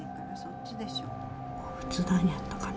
お仏壇やったかな。